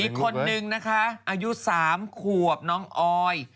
อีกคนนึงนะคะอายุ๓ขวบน้องออย